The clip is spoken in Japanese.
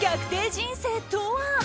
人生とは？